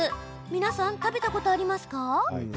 皆さん、食べたことありますか？